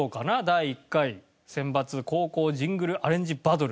第１回センバツ高校ジングルアレンジバトル。